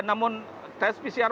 namun tes pcr menyatakan